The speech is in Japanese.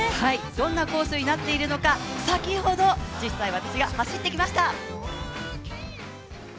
どんなコースになっているのか、先ほど実際、私が走ってきました。